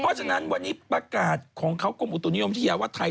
เพราะฉะนั้นวันนี้ประกาศของเขากรมอุตุนิยมวิทยาว่าไทย